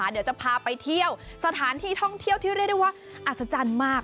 เดี๋ยวจะพาไปเที่ยวสถานที่ท่องเที่ยวที่เรียกได้ว่าอัศจรรย์มาก